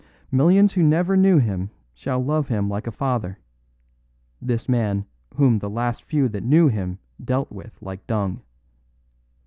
Millions who never knew him shall love him like a father this man whom the last few that knew him dealt with like dung.